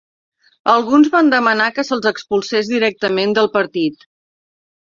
Alguns van demanar que se'ls expulsés directament del partit.